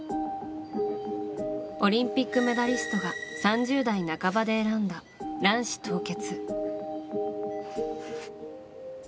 オリンピックメダリストが３０代半ばで選んだ卵子凍結。